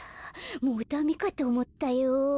もうダメかとおもったよ。